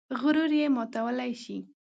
غرور یې ماتولی شي.